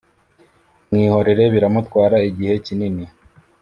Mwihorere biramutwara igihe kinini